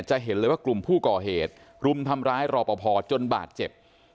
จะเห็นเลยว่ากลุ่มผู้ก่อเหตุรุมทำร้ายรอปภจนบาดเจ็บ